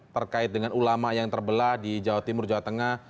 terkait dengan ulama yang terbelah di jawa timur jawa tengah